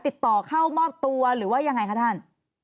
ติดต่อเข้ามอบตัวหรือว่ายังไงคะท่าน